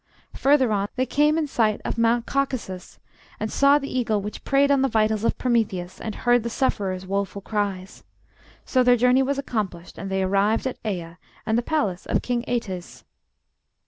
Further on, they came in sight of Mount Caucasus, saw the eagle which preyed on the vitals of Prometheus, and heard the sufferer's woeful cries. So their journey was accomplished, and they arrived at Æa, and the palace of King Æetes.